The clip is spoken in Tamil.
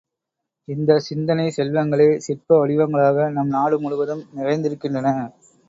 இந்தச் சிந்தனைச் செல்வங்களே சிற்ப வடிவங்களாக நம் நாடு முழுவதும் நிறைந்திருக்கின்றன.